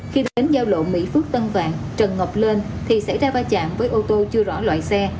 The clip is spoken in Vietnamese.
khi đến giao lộ mỹ phước tân vạn trần ngọc lên thì xảy ra va chạm với ô tô chưa rõ loại xe